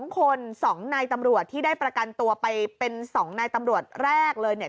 ๒คน๒นายตำรวจที่ได้ประกันตัวไปเป็น๒นายตำรวจแรกเลยเนี่ย